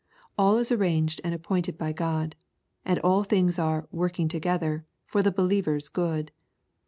All is arranged and appointed by God. And all things are " working together" for the believer's good.